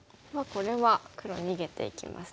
これは黒逃げていきますね。